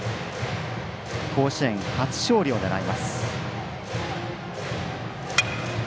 甲子園初勝利を狙います。